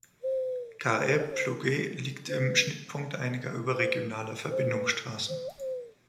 Carhaix-Plouguer liegt im Schnittpunkt einiger überregionaler Verbindungsstraßen.